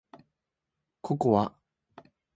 ココア